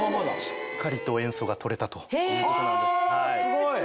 しっかりと塩素が取れたということなんです。